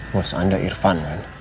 was anda irfan kan